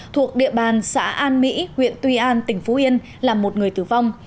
thuộc địa bàn xã an mỹ huyện tuy an tỉnh phú yên là một người tử vong